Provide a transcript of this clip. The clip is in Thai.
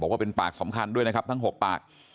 ว่าเป็นปากสำคัญด้วยนะครับทั้ง๖ปาก